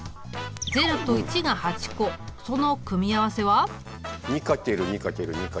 ０と１が８個その組み合わせは？